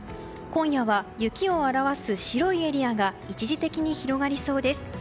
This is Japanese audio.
今夜は雪を表す白いエリアが一時的に広がりそうです。